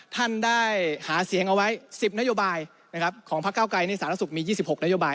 ท่านได้หาเสียงเอาไว้๑๐นโยบายของพักเก้าไกรนี่สารสุขมี๒๖นโยบาย